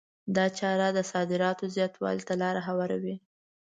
دا چاره د صادراتو زیاتوالي ته لار هواروي.